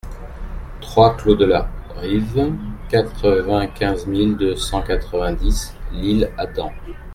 trois clos de la Rive, quatre-vingt-quinze mille deux cent quatre-vingt-dix L'Isle-Adam